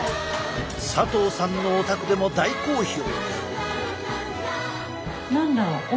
佐藤さんのお宅でも大好評！